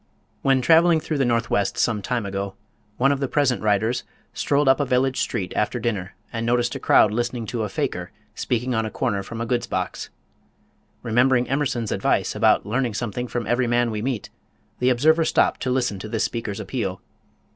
When traveling through the Northwest some time ago, one of the present writers strolled up a village street after dinner and noticed a crowd listening to a "faker" speaking on a corner from a goods box. Remembering Emerson's advice about learning something from every man we meet, the observer stopped to listen to this speaker's appeal.